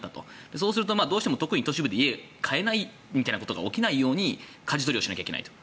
そうするとどうしても特に都市部で家を買えないみたいなことが起きないようにかじ取りをしないといけないと。